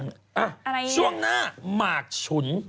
อะไรอีกอะช่วงหน้ามากชุน